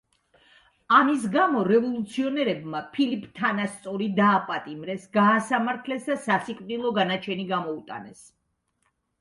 ამის გამო რევოლუციონერებმა ფილიპ თანასწორი დააპატიმრეს, გაასამართლეს და სასიკვდილო განაჩენი გამოუტანეს.